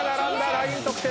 ライン得点。